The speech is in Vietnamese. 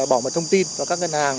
bỏ mặt thông tin cho các ngân hàng